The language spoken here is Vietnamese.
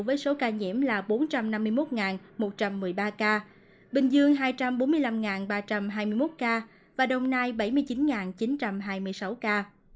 với số ca nhiễm là bốn trăm năm mươi một một trăm một mươi ba ca bình dương hai trăm bốn mươi năm ba trăm hai mươi một ca và đồng nai bảy mươi chín chín trăm hai mươi sáu ca